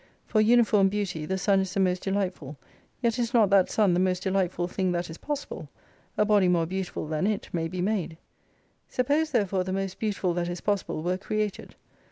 For uniform beauty the Sun is the most delightful, yet is not that Sun the most delightful thing that is possible. A body more beauti ful than it may be made. Suppose therefore the most beautiful that is possible were created.